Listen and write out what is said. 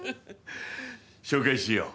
紹介しよう。